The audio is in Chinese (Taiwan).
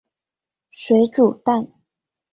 水煮蛋